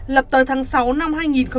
lập tới tháng sáu năm hai nghìn hai mươi hai